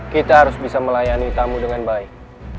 kita harus bisa melayani tamu dengan baik